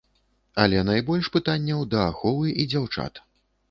Але найбольш пытанняў да аховы і дзяўчат.